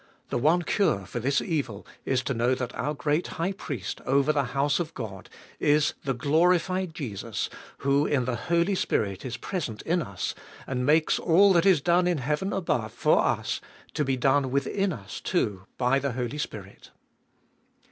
The one cure for this evil is to know that our great Priest over the house of God is the glorified Jesus, who in the Holy Spirit is present in us, and makes all that is done in heaven above for us to be done within us too by the Holy Spirit.